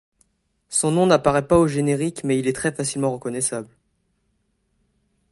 Son nom n'apparaît pas au générique mais il est très facilement reconnaissable.